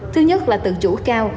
thứ nhất là tự chủ cao